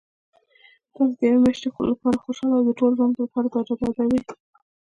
تاسو د یوې میاشتي لپاره خوشحاله او د ټول ژوند لپاره بربادوي